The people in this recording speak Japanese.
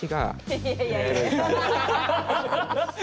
いやいやいや。